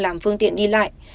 làm phương tiện đi lại